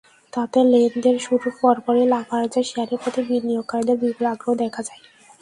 তাতে লেনদেন শুরুর পরপরই লাফার্জের শেয়ারের প্রতি বিনিয়োগকারীদের বিপুল আগ্রহ দেখা যায়।